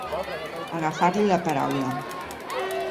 Agafar-li la paraula.